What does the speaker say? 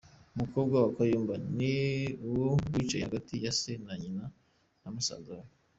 Umukobwa wa Kayumba ni uwo wicaye hagati ya se na nyina na musaza we